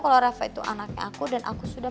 kalo reva itu anaknya aku dan aku sudah